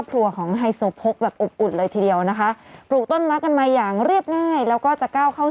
ใบป๋องนี้แหละเก็บความลับครับ